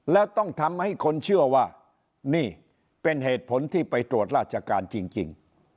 แล้วต้องทำให้คนเชื่อว่านี่เป็นเหตุผลที่ไปตรวจราชการจริง